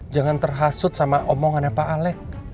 jangan terhasut sama omongannya pak alec